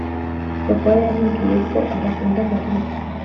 Gakwaya yambwiye ko adakunda Mariya